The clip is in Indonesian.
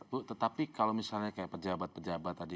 bu tetapi kalau misalnya kayak pejabat pejabat tadi